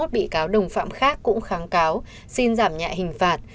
hai mươi một bị cáo đồng phạm khác cũng kháng cáo xin giảm nhạy hình phạt